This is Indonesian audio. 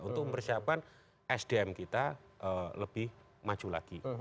untuk mempersiapkan sdm kita lebih maju lagi